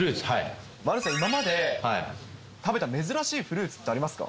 丸さん、今まで食べた珍しいフルーツってありますか？